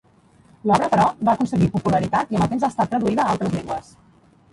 L'obra, però, va aconseguir popularitat i amb el temps ha estat traduïda a altres llengües.